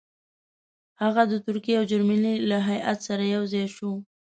هغه د ترکیې او جرمني له هیات سره یو ځای شو.